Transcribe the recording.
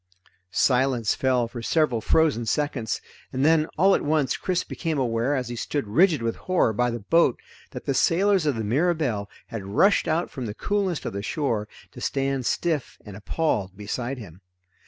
Silence fell for several frozen seconds, and then all at once Chris became aware as he stood rigid with horror by the boat that the sailors of the Mirabelle had rushed out from the coolness of the shore to stand stiff and appalled beside him.